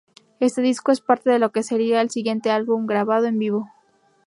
Este disco es parte de lo que sería el siguiente álbum grabado en vivo.